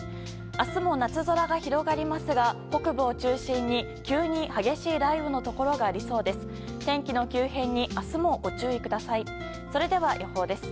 明日も、夏空が広がりますが北部を中心に急に激しい雷雨のところがありそうです。